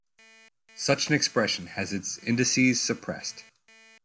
Such an expression has its indices suppressed.